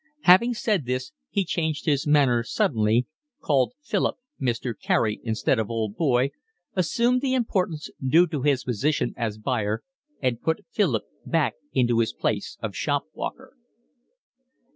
Having said this, he changed his manner suddenly, called Philip Mr. Carey instead of old boy, assumed the importance due to his position as buyer, and put Philip back into his place of shop walker.